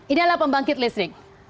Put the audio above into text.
ini adalah pembangkit listrik